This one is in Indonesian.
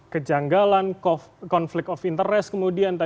kejanggalan konflik of interest kemudian